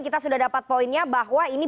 kita sudah dapat poinnya bahwa ini